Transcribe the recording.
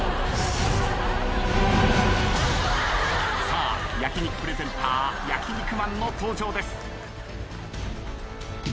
さあ焼き肉プレゼンター焼肉マンの登場です。